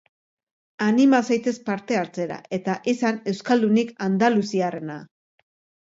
Anima zaitez parte hartzera, eta izan euskaldunik andaluziarrena!